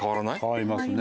変わりますね。